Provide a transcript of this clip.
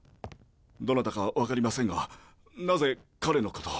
どなたか分かりませんがなぜ彼のこと。